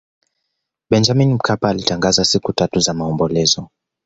benjamin mkapa alitangaza siku tatu za maombolezo